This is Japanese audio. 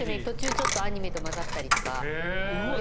途中ちょっとアニメと交ざったりとか。